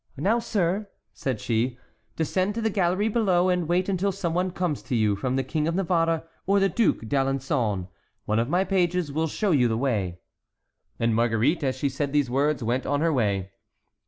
"Now, sir," said she, "descend to the gallery below, and wait until some one comes to you from the King of Navarre or the Duc d'Alençon. One of my pages will show you the way." And Marguerite, as she said these words, went on her way.